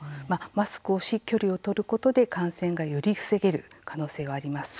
マスクをし、距離を取ることで感染がより防げる可能性はあります。